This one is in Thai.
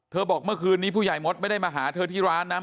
บอกเมื่อคืนนี้ผู้ใหญ่มดไม่ได้มาหาเธอที่ร้านนะ